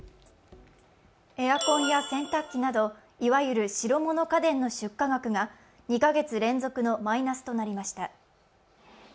エアコンや洗濯機など、いわゆる白物家電の出荷額が２カ月連続のマイナスとなりました